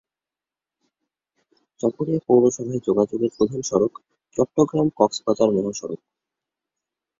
চকরিয়া পৌরসভায় যোগাযোগের প্রধান সড়ক চট্টগ্রাম-কক্সবাজার মহাসড়ক।